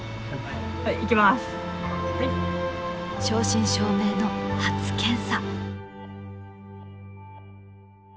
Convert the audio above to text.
正真正銘の初検査。